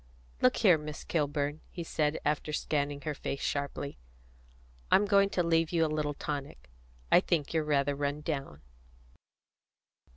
"Look here, Miss Kilburn," he said, after scanning her face sharply, "I'm going to leave you a little tonic. I think you're rather run down."